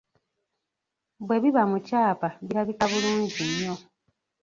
Bwe biba mu kyapa birabika bulungi nnyo.